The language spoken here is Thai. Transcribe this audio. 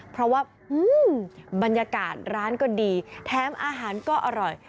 เพราะว่าบรรยากาศร้านก็ดีแถมอาหารก็อร่อย